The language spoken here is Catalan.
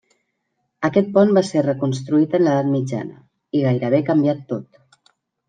Aquest pont va ser reconstruït en l'edat mitjana, i gairebé canviat tot.